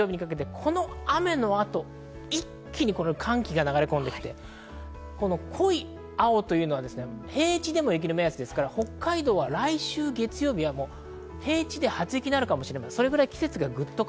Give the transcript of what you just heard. この雨の後、一気に寒気が流れ込んできて、濃い青は平地でも雪の目安ですから北海道は来週月曜日、平地で初雪になるかもしれません。